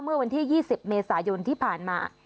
เมื่อวันที่๒๐เมษายนที่ผ่านมา